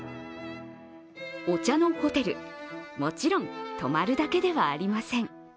お茶のホテル、もちろん泊まるだけではありません。